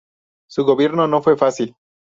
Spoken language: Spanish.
Su gobierno no fue fácil.